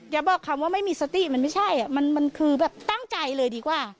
อย่าบอกคำว่าไม่มีสติมันไม่ใช่มันคือแบบตั้งใจเลยดีกว่า